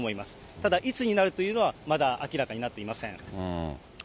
ただいつになるというのは、まだ明らかになっていません。